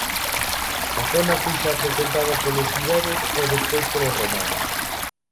A zona foi xa frecuentada polos iberos e despois polos romanos.